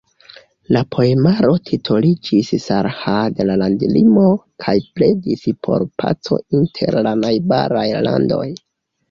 La poemaro titoliĝis "Sarhad" (La landlimo) kaj pledis por paco inter la najbaraj landoj.